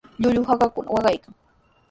Llullu hakakuna waqaykan.